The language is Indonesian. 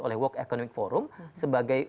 oleh world economic forum sebagai